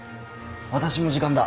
私も時間だ。